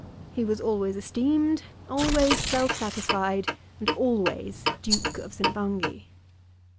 He was always esteemed, always self satisfied, and always Duke of St. Bungay.